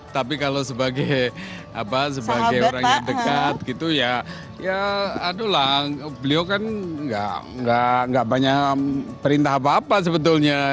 tapi kalau sebagai orang yang dekat gitu ya adulah beliau kan enggak banyak perintah apa apa sebetulnya